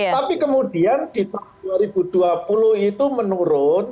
tapi kemudian di tahun dua ribu dua puluh itu menurun